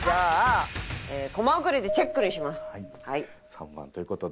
３番という事で。